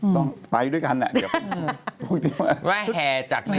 ต้องไปด้วยกันนะเดี๋ยวพูดดีมาก